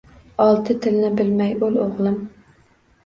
Olti tilni bilmay o’l, o’g’lim!..